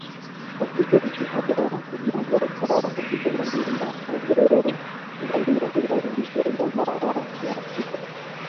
Katika jitihada ya kujenga usawa katika jamii na maendeleo Tanzania ilianzisha ujamaa wa kiafrika